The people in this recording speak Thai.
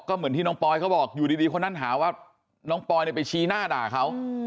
ก็เหมือนที่น้องปอยเขาบอกอยู่ดีคนนั้นหาว่าน้องปอยไปชี้หน้าด่าเขา